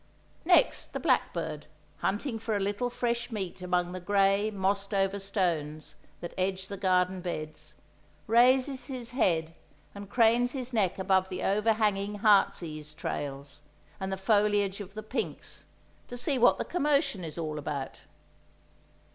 Next the blackbird, hunting for a little fresh meat among the grey, mossed over stones that edge the garden beds, raises his head and cranes his neck above the overhanging heart's ease trails, and the foliage of the pinks, to see what the commotion is all about.